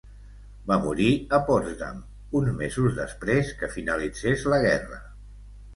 Va morir a Potsdam uns mesos després que finalitzés la guerra.